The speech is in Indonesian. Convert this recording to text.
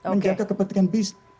menjaga kepentingan bisnis